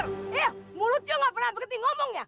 eh mulutnya nggak pernah berhenti ngomong ya